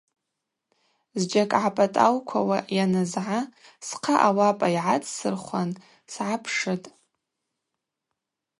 Зджьакӏ гӏапӏатӏауквауа йанызгӏа схъа ауапӏа йгӏацӏсырхван сгӏапшытӏ.